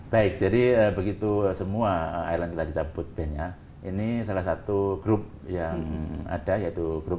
baik jadi begitu semua airline kita dicabut band nya ini salah satu grup yang ada yaitu grup